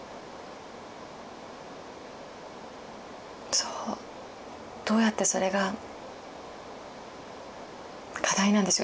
そうどうやってそれが課題なんですよ